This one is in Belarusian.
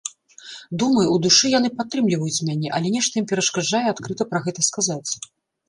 Думаю, ў душы яны падтрымліваюць мяне, але нешта ім перашкаджае адкрыта пра гэта сказаць.